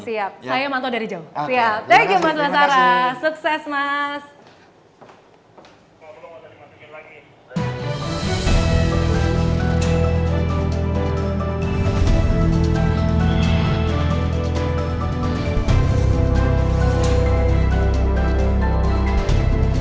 siap saya manto dari jauh